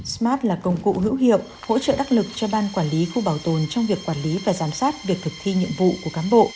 smart là công cụ hữu hiệu hỗ trợ đắc lực cho ban quản lý khu bảo tồn trong việc quản lý và giám sát việc thực thi nhiệm vụ của cán bộ